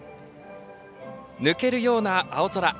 抜けるような青空。